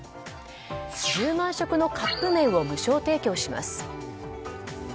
１０万食のカップ麺を無償提供します。